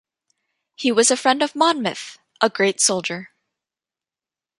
He was a friend of Monmouth, a great soldier.